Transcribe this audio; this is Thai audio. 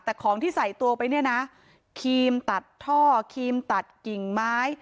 แต่ของที่ใส่ตัวไปเนี่ยนะครีมตัดท่อครีมตัดกิ่งไม้